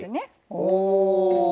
おお！